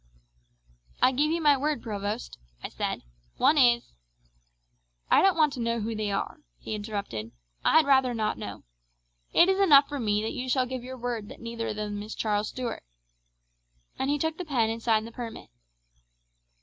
"'I give you my word, provost,' I said. 'One is ' "'I don't want to know who they are,' he interrupted. 'I had rather not know. It is enough for me that you give me your word that neither of them is Charles Stuart,' and he took the pen and signed the permit.